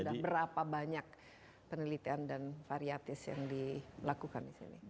dan sudah berapa banyak penelitian dan variatis yang dilakukan disini